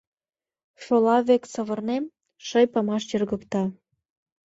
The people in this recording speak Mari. Шола век савырнем — Ший памаш йыргыкта.